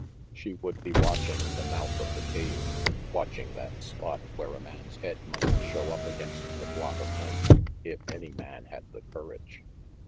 She would be watching the mouth of the cave, watching that spot where a man's head must show up against the blot of night if any man had the courage.